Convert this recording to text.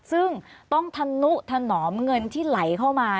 ซึ่งต้องธนุถนอมเงินที่ไหลเข้ามา